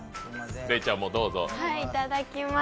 レイちゃんもどうぞ。